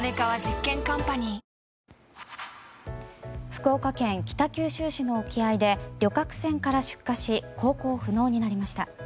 福岡県北九州市の沖合で旅客船から出火し航行不能になりました。